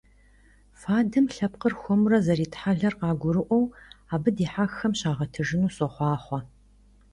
Фадэм лъэпкъыр хуэмурэ зэритхьэлэр къагурыӀуэу абы дихьэххэм щагъэтыжыну сохъуахъуэ!